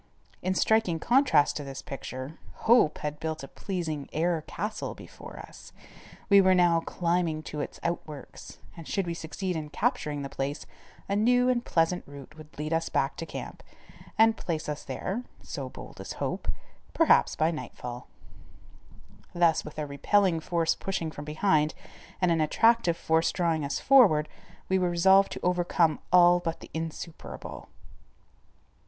In striking contrast to this picture, hope had built a pleasing air castle before us. We were now climbing to its outworks, and should we succeed in capturing the place, a new and pleasant route would lead us back to camp and place us there—so bold is hope—perhaps by nightfall. Thus with a repelling force pushing from behind and an attractive force drawing us forward, we were resolved to overcome all but the insuperable.